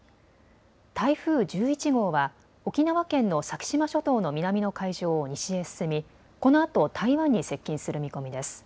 台風１１号は沖縄県の先島諸島の南の海上を西へ進み、このあと台湾に接近する見込みです。